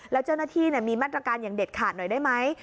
แล้วเจ้าหน้าที่มีมาตรการอย่างเด็ดขาดหน่อยได้ไหม